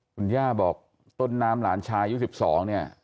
คุณย่าบอกต้นน้ำหลานชายอายุ๑๒เนี่ย